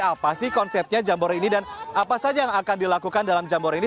apa sih konsepnya jambore ini dan apa saja yang akan dilakukan dalam jambore ini